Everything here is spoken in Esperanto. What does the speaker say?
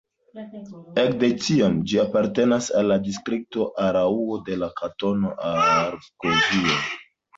Ek de tiam ĝi apartenas al la distrikto Araŭo de la Kantono Argovio.